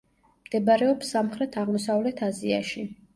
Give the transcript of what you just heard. მდებარეობს სამხრეთ-აღმოსავლეთ აზიაში.